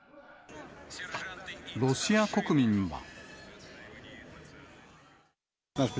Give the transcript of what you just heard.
ロシア国民は。